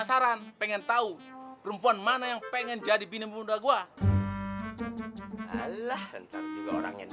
yang pembantu disini kan